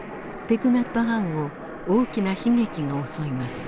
ティク・ナット・ハンを大きな悲劇が襲います。